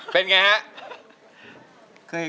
เป็นไงฮะ